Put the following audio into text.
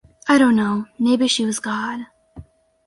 I don't know, maybe she was God.